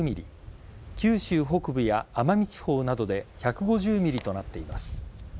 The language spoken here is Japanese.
九州北部や奄美地方などで１５０ｍｍとなっています。